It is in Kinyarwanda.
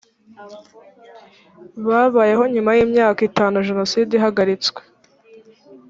babayeho nyuma y imyaka itanu jenoside ihagaritswe